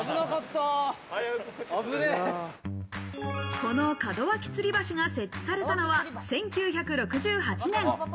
この門脇吊橋が設置されたのは１９６８年。